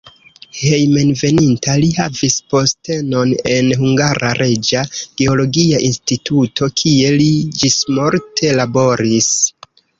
Hejmenveninta li havis postenon en "Hungara Reĝa Geologia Instituto", kie li ĝismorte laboris.